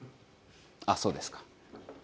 ああそうですか。